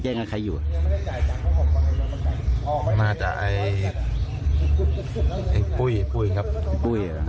แย่งกับใครอยู่น่าจะไอ้ไอ้ปุ้ยไอ้ปุ้ยครับไอ้ปุ้ยเหรอ